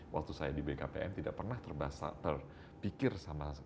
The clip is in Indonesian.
waktu saya di bkpm tidak pernah terpikir sama lainnya